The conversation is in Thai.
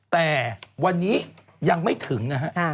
แต่วันนี้ยังไม่ถึงนะฮะ